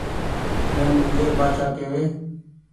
ۮن اوڳي بآڇآ ڪيوي